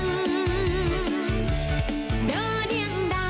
สวัสดีครับ